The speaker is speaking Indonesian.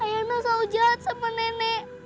ayah mel selalu jahat sama nenek